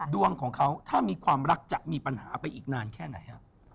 ดวงของเขาถ้ามีความรักจะมีปัญหาไปอีกนานแค่ไหน